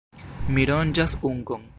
Mi ronĝas ungon.